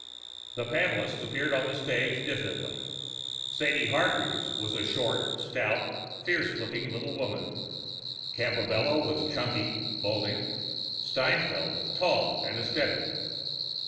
The panelists appeared on the stage diffidently. Sadie Hargreave was a short, stout, fierce looking little woman; Campobello was chunky, balding, Steinfeld tall and ascetic.